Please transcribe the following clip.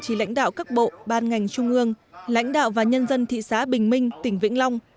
chỉ lãnh đạo các bộ ban ngành trung ương lãnh đạo và nhân dân thị xã bình minh tỉnh vĩnh long